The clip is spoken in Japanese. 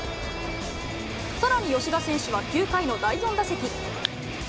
さらに吉田選手は９回の第４打席。